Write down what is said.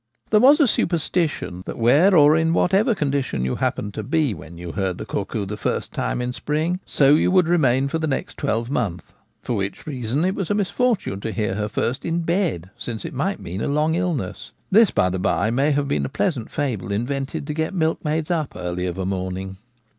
There was a superstition that where or in what* ever condition you happened to be when you heard the cuckoo the first time in the spring, so you would remain for the next twelvemonth ; for which reason it Decrease of Coarse Fish. 85 was a misfortune to hear her first in bed, since it might mean a long illness. This, by the by, may have been a pleasant fable invented to get milkmaids up early of a morning.